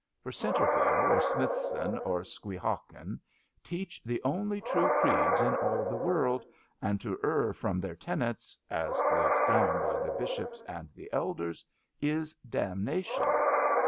For Centreville or Smithson or Squeehawken teach the only true creeds in all the world, and to err from their tenets, as laid down by the bishops and the elders, is damnation.